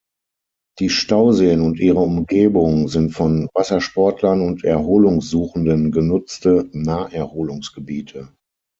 Die Stauseen und ihre Umgebung sind von Wassersportlern und Erholungssuchenden genutzte Naherholungsgebiete.